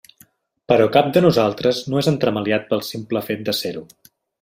Però cap de nosaltres no és entremaliat pel simple fet de ser-ho.